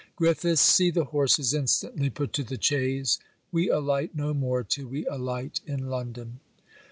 Griffiths, see the horses instantly put to the chaise. We alight no more, till we alight in London.'